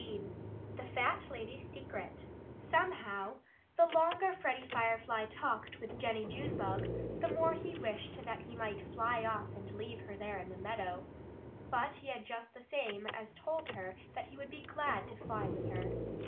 XV THE FAT LADY'S SECRET Somehow, the longer Freddie Firefly talked with Jennie Junebug, the more he wished that he might fly off and leave her there in the meadow. But he had just the same as told her that he would be glad to fly with her.